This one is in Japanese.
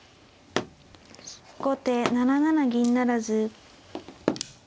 後手７七銀不成。